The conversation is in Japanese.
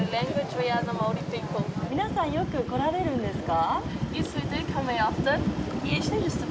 皆さん、よく来られるんですか？